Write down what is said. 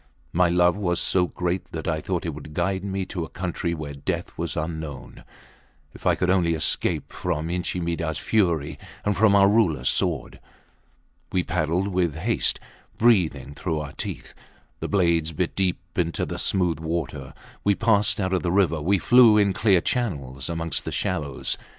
My love was so great, that I thought it could guide me to a country where death was unknown, if I could only escape from Inchi Midahs fury and from our Rulers sword. We paddled with haste, breathing through our teeth. The blades bit deep into the smooth water. We passed out of the river; we flew in clear channels amongst the shallows.